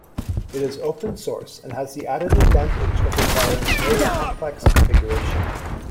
It is open source and has the added advantage of requiring no complex configuration.